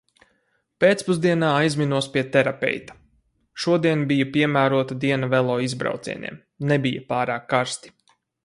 Pēcpusdienā aizminos pie terapeita – šodien bija piemērota diena velo izbraucieniem, nebija pārāk karsti.